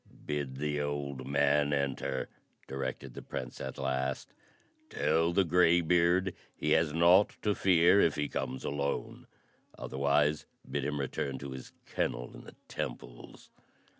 "Bid the old man enter," directed the Prince at last. "Tell the graybeard he has naught to fear if he comes alone. Otherwise, bid him return to his kennel in the temples."